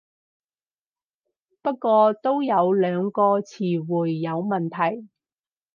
不過都有兩個詞彙有問題